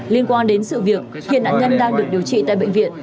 liên quan đến sự việc hiện nạn nhân đang được điều trị tại bệnh viện